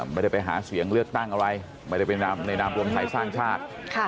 ไม่ได้ไปหาเสียงเลือกตั้งอะไรไม่ได้เป็นในนามรวมไทยสร้างชาติ